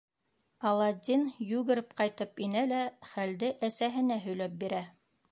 Аладдин йүгереп ҡайтып инә лә хәлде әсәһенә һөйләп бирә.